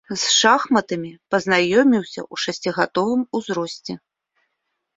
З шахматамі пазнаёміўся ў шасцігадовым узросце.